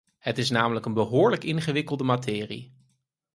Het is namelijk een behoorlijk ingewikkelde materie.